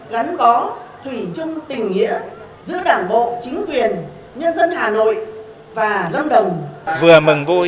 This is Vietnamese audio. gắn bó thủy chung tình nghĩa giữa đảng bộ chính quyền nhân dân hà nội và lâm đồng vừa mừng vội